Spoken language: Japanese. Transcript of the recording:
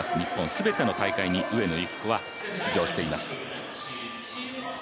全ての大会に上野由岐子は出場しています。